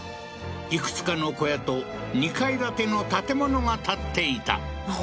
いくつかの小屋と２階建ての建物が建っていたあっ